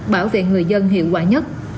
bảo vệ người dân hiệu quả nhất